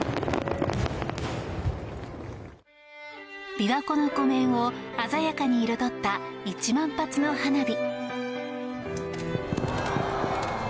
琵琶湖の湖面を鮮やかに彩った１万発の花火。